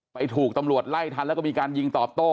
ถูกตำรวจไล่ทันแล้วก็มีการยิงตอบโต้